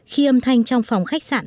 khi âm thanh trong phòng khách sạn